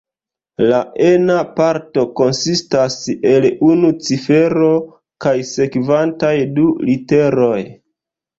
La ena parto konsistas el unu cifero kaj sekvantaj du literoj.